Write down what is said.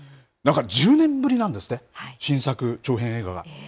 １０年ぶりなんですって新作長編映画が。